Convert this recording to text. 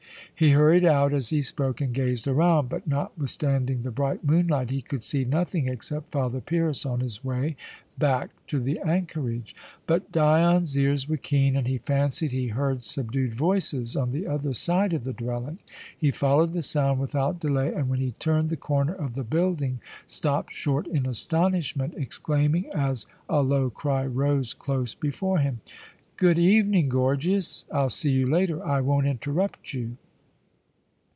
He hurried out as he spoke, and gazed around; but, notwithstanding the bright moonlight, he could see nothing except Father Pyrrhus on his way back to the anchorage. But Dion's ears were keen, and he fancied he heard subdued voices on the other side of the dwelling. He followed the sound without delay and, when he turned the corner of the building, stopped short in astonishment, exclaiming as a low cry rose close before him: "Good evening, Gorgias! I'll see you later. I won't interrupt you."